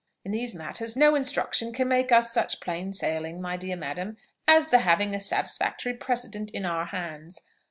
In these matters no instructions can make us such plain sailing, my dear madam, as the having a satisfactory precedent in our hands.